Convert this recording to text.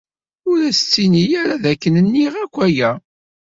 Ur as-ttini ara dakken nniɣ-ak aya!